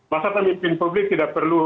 masa pemimpin publik tidak perlu